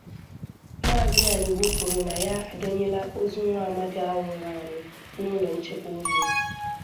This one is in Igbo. Maazị Anịgbo kwùrù na ha adọnyela ozu nwa amadi ahụ nwụrụ anwụ n'ụlọ nchekwa ozu